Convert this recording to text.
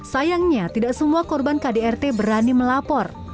sayangnya tidak semua korban kdrt berani melapor